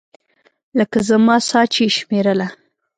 لکه زما ساه چې يې شمېرله.